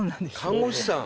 看護師さん。